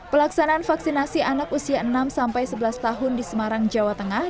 pelaksanaan vaksinasi anak usia enam sebelas tahun di semarang jawa tengah